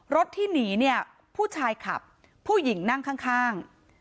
รถที่หนีเนี่ยผู้ชายขับผู้หญิงนั่งข้าง